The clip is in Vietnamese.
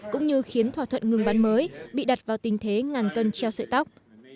cũng như khiến thỏa thuận ngừng bắn mới bị đặt vào tình thế ngàn cân treo sợi tóc